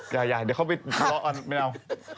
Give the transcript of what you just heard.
ใหญ่เดี๋ยวเขาไปทะเลาะกันไม่เอา